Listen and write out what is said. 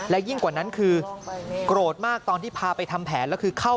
และยิ่งกว่านั้นคือโกรธมากตอนที่พาไปทำแผนแล้วคือเข้า